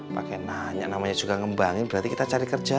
pakai nanya namanya juga ngembangin berarti kita cari kerja